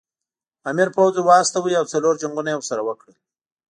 امیر پوځ ور واستاوه او څلور جنګونه یې ورسره وکړل.